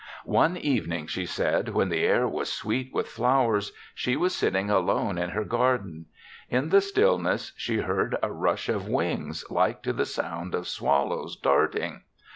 "One evening," she said, "when the air was sweet with flowers, she was sitting alone in her garden. In the stillness she heard a rush of wings, like to the sound of swallows darting.